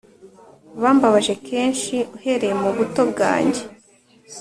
Bambabaje kenshi uhereye mubuto bwanjye